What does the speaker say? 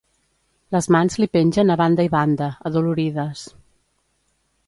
Les mans li pengen a banda i banda, adolorides.